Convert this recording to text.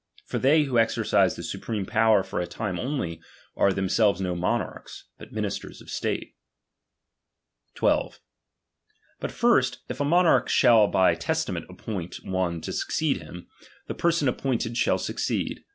For they who exercise the supreme power for a time only, are themselves no monarchs, but ministers of state. AmoBMch 12. But first, if a monarch shall by testament the oommand of appoint onc to succeed him, the person appointed •by^ZmZlT shall succeed.